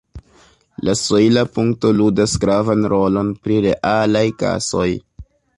La sojla punkto ludas gravan rolon pri realaj gasoj.